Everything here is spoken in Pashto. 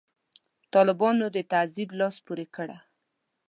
طالبانو د تعذیب لاس پورې کړ.